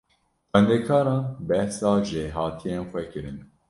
Xwendekaran behsa jêhatiyên xwe kirin.